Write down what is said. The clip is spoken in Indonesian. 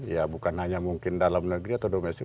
ya bukan hanya mungkin dalam negeri atau domestik